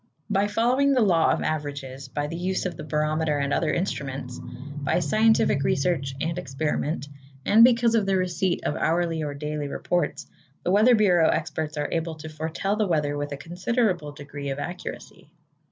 By following the law of averages, by the use of the barometer and other instruments, by scientific research and experiment, and because of the receipt of hourly or daily reports, the Weather Bureau experts are able to foretell the weather with a considerable degree of accuracy.